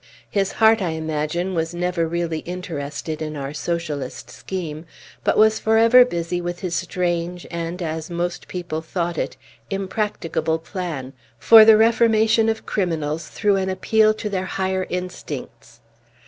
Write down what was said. His heart, I imagine, was never really interested in our socialist scheme, but was forever busy with his strange, and, as most people thought it, impracticable plan, for the reformation of criminals through an appeal to their higher instincts.